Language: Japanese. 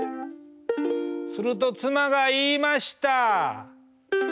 すると妻が言いました。